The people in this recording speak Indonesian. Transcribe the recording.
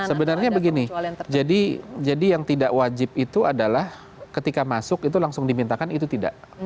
sebenarnya begini jadi yang tidak wajib itu adalah ketika masuk itu langsung dimintakan itu tidak